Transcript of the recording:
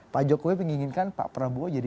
pak jokowi menginginkan pak prabowo jadi